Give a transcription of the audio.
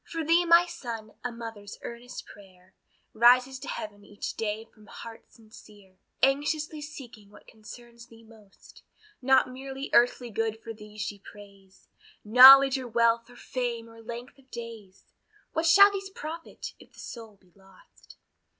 For thee, my son, a mother's earnest prayer Rises to Heaven each day from heart sincere, Anxiously seeking what concerns thee most; Not merely earthly good for thee she prays, Knowledge, or wealth, or fame, or length of days, What shall these profit, if the soul be lost.